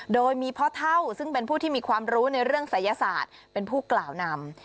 โดยมีพ่อเท่าซึ่งเป็นผู้ที่มีความรู้ในเรื่องศัยศาสตร์เป็นผู้กล่าวนำ